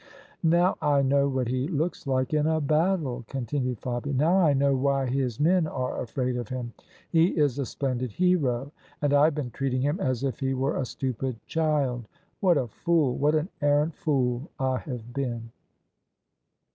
" Now I know what he looks like in a battle," continued Fabia; " now I know why his men are afraid of him! He is a splendid hero, and I have been treating him as if he were a stupid child. What a fool — ^what an arrant fool — I have been!"